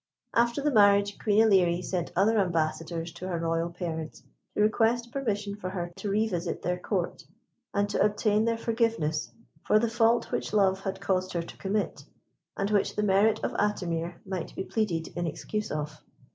After the marriage Queen Ilerie sent other ambassadors to her royal parents to request permission for her to revisit their Court, and to obtain their forgiveness for the fault which love had caused her to commit, and which the merit of Atimir might be pleaded in excuse of.